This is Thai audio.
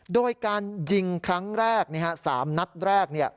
โดยการยิงครั้งแรก๓นัดแรก